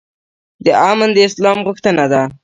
امن د اسلام غوښتنه ده